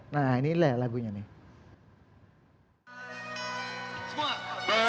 nah inilah lagunya nih